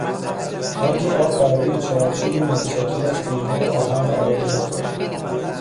تانک آب برروی چارچوبی متشکل از تیرهای آهن قرار گرفته بود.